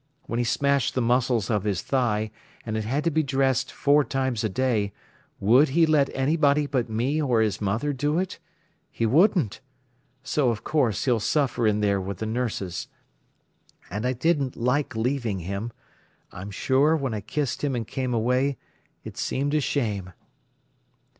When he smashed the muscles of his thigh, and it had to be dressed four times a day, would he let anybody but me or his mother do it? He wouldn't. So, of course, he'll suffer in there with the nurses. And I didn't like leaving him. I'm sure, when I kissed him an' came away, it seemed a shame."